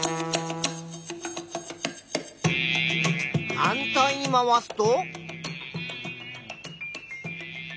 反対に回すと。